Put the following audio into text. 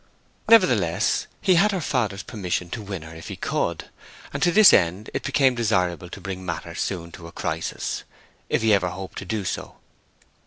Nevertheless, he had her father's permission to win her if he could; and to this end it became desirable to bring matters soon to a crisis, if he ever hoped to do so.